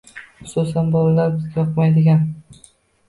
Xususan, bolalarda bizga yoqmaydigan